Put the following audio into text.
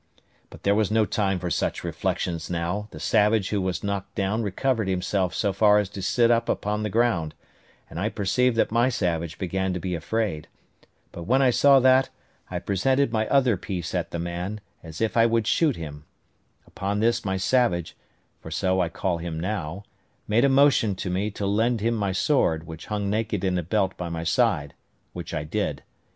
But there was no time for such reflections now; the savage who was knocked down recovered himself so far as to sit up upon the ground, and I perceived that my savage began to be afraid; but when I saw that, I presented my other piece at the man, as if I would shoot him: upon this my savage, for so I call him now, made a motion to me to lend him my sword, which hung naked in a belt by my side, which I did.